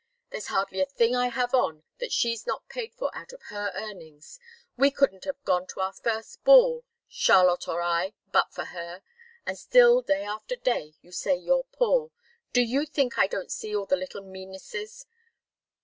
There's hardly a thing I have on that she's not paid for out of her earnings. We couldn't have gone to our first ball, Charlotte or I, but for her. And still, day after day, you say you're poor. Do you think I don't see all the little meannesses?